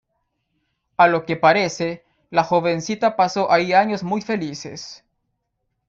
A lo que parece, la jovencita pasó ahí años muy felices.